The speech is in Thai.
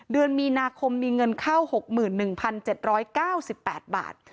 เดือนมีนาคมมีเงินเข้า๖๑๗๙๘บาท